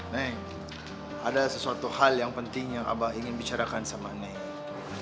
nenek ada sesuatu hal yang pentingnya abah ingin bicarakan sama nenek